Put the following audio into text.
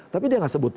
tapi dia nggak sebut